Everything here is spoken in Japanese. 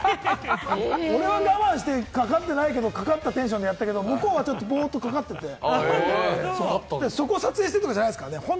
俺は我慢してかかってないけれども、かかったテンションでやったけれども、向こうはちょっとかかってて、そういう撮影じゃないですから。